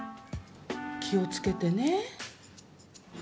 きをつけてね。